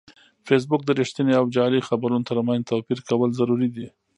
فېسبوک د رښتینې او جعلي خبرونو ترمنځ توپیر کول ضروري دي